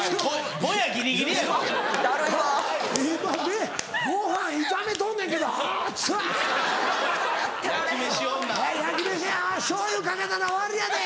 「焼き飯やしょうゆかけたら終わりやで！」。